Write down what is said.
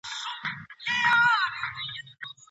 که پلونه پراخ سي، نو موټرې نه تنګیږي.